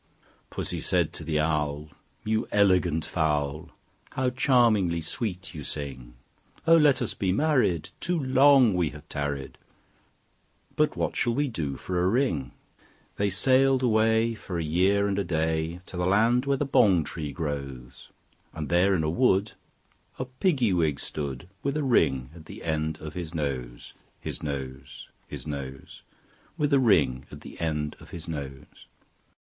II. Pussy said to the Owl, "You elegant fowl, How charmingly sweet you sing! Oh! let us be married; too long we have tarried: But what shall we do for a ring?" They sailed away, for a year and a day, To the land where the bong tree grows; And there in a wood a Piggy wig stood, With a ring at the end of his nose, His nose, His nose, With a ring at the end of his nose.